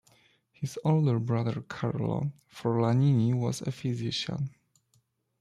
His older brother Carlo Forlanini was a physician.